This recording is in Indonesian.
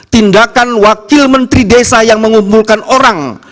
tindakan wakil menteri desa yang mengumpulkan orang